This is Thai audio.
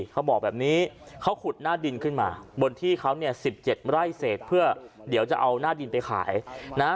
เขาบอกแบบนี้เขาขุดหน้าดินขึ้นมาบนที่เขาเนี่ย๑๗ไร่เศษเพื่อเดี๋ยวจะเอาหน้าดินไปขายนะฮะ